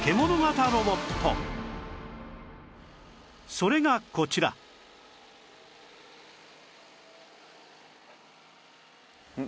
それがこちらん？